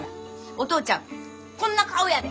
お父ちゃんこんな顔やで！